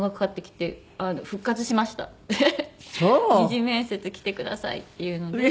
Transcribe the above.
「二次面接来てください」っていうので。